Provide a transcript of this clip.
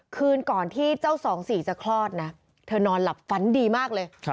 คืนก่อนที่เจ้าสองสี่จะคลอดนะเธอนอนหลับฝันดีมากเลย